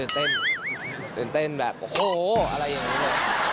ตื่นเต้นแบบโอ้โฮอะไรอย่างนี้